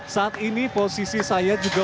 saat ini posisi saya juga